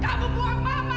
kamu buang mama aja